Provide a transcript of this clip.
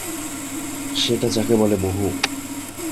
সেটা যাকে বলে মোহ।